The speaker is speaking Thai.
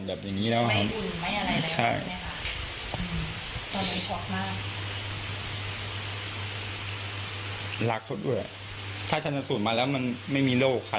รักเขาด้วยถ้าชนสูตรมาแล้วมันไม่มีโรคค่ะ